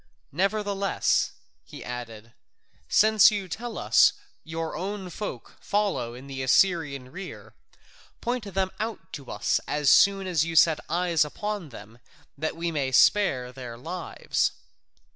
Nevertheless," he added, "since you tell us your own folk follow in the Assyrian rear, point them out to us as soon as you set eyes upon them, that we may spare their lives."